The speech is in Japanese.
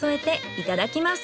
いただきます。